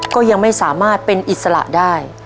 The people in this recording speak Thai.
ก็ยังไม่สามารถเป็นอิสระได้